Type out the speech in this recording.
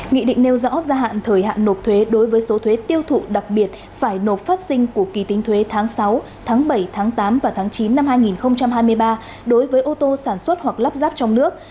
nghị định nêu rõ gia hạn thời hạn nộp thuế đối với số thuế tiêu thụ đặc biệt phải nộp phát sinh của kỳ tính thuế tháng sáu tháng bảy tháng tám và tháng chín năm hai nghìn hai mươi ba đối với ô tô sản xuất hoặc lắp ráp trong nước